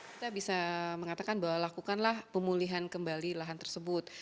kita bisa mengatakan bahwa lakukanlah pemulihan kembali lahan tersebut